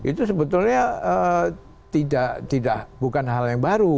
itu sebetulnya bukan hal yang baru